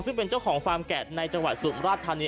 ซึ่งเป็นเจ้าของฟาร์มแกะในจังหวัดสุมราชธานี